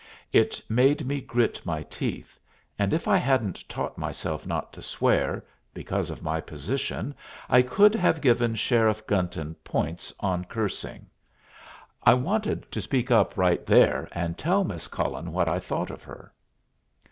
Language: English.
It made me grit my teeth, and if I hadn't taught myself not to swear, because of my position, I could have given Sheriff Gunton points on cursing. I wanted to speak up right there and tell Miss Cullen what I thought of her.